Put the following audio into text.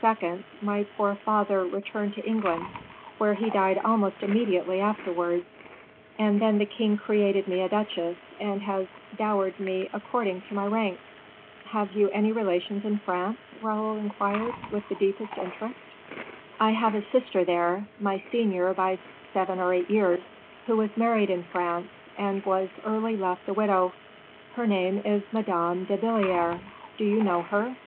my poor father returned to England, where he died almost immediately afterwards; and then the king created me a duchess, and has dowered me according to my rank. "Have you any relations in France?" Raoul inquired, with the deepest interest. "I have a sister there, my senior by seven or eight years, who was married in France, and was early left a widow; her name is Madame de Belliere. Do you know her?"